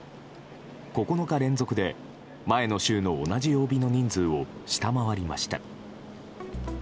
９日連続で前の週の同じ曜日の人数を下回りました。